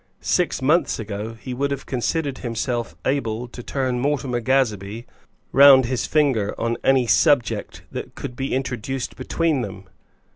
Six months ago he would have considered himself able to turn Mortimer Gazebee round his finger on any subject that could be introduced between them.